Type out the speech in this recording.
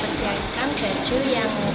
jadi bisa dipakai baik itu yang untuk